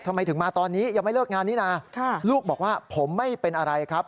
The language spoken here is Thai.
ทำไมถึงมาตอนนี้ยังไม่เลิกงานนี้นะลูกบอกว่าผมไม่เป็นอะไรครับ